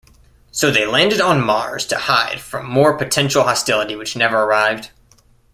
So they landed on Mars to hide from more potential hostility which never arrived.